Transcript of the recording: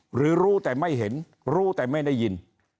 หรือรู้แต่ไม่เห็นรู้แต่ไม่ได้ยิน